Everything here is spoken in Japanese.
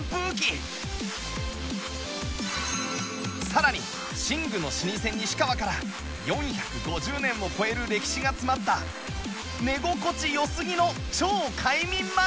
さらに寝具の老舗西川から４５０年を超える歴史が詰まった寝心地良すぎの超快眠枕！